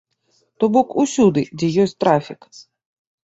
То бок усюды, дзе ёсць трафік.